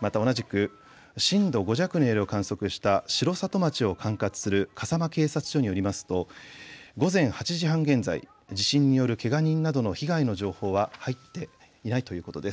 また同じく震度５弱の揺れを観測した城里町を管轄する笠間警察署によりますと午前８時半現在、地震によるけが人などの被害の情報は入っていないということです。